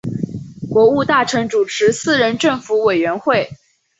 国务大臣主持四人政府委员会。